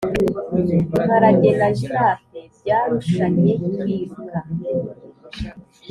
imparage na giraffe byarushanye kwiruka